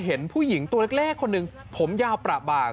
เห็นผู้หญิงตัวเล็กคนหนึ่งผมยาวประบาก